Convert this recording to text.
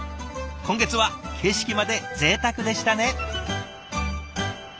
今月は景色までぜいたくでしたね。